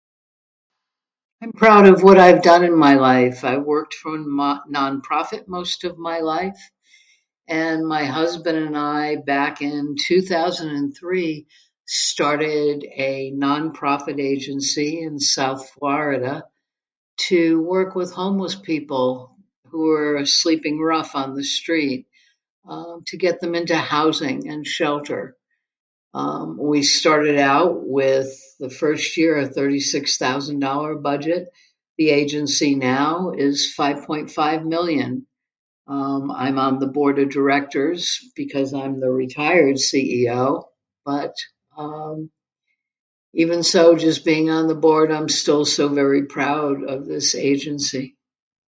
I'm proud of what I've done in my life. I've worked for a non-profit most of my life. And my husband and I, back in 2003, started a non-profit agency in South Florida to work with homeless people, who are sleeping rough on the street. To get them into housing and shelter. We've started out with the first year a 36 thousand dollar budget. The agency now is 5.5 million. I'm on the board of directors because I'm the retired CEO. But even so just being on the board, I'm still so very proud of this agency.